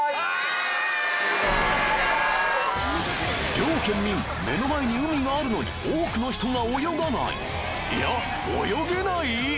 両県民目の前に海があるのに多くの人が泳がないいや泳げない！？